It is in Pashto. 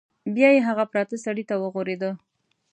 بیا یې هغه پراته سړي ته وغوریده.